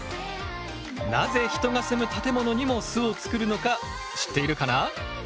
なぜ人が住む建物にも巣を作るのか知っているかな？